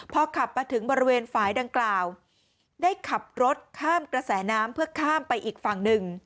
พอขับมาถึงบริเวณฝ่ายดังกล่าวได้ขับรถข้ามกระแสน้ำเพื่อข้ามไปอีกฝั่งหนึ่ง